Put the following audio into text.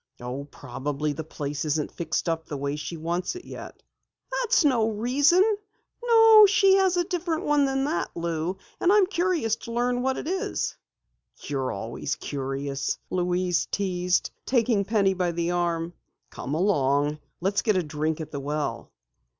"Oh, probably the place isn't fixed up the way she wants it yet." "That's no reason. No, she has a different one than that, Lou, and I'm curious to learn what it is." "You're always curious," Louise teased, taking Penny by the arm. "Come along. Let's get a drink at the well."